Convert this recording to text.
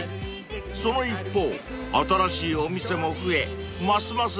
［その一方新しいお店も増えますます